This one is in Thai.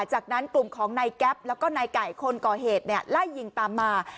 จากนั้นกลุ่มของนายแก๊ปแล้วก็นายไก่คนก่อเหตุไล่ยิงตามมา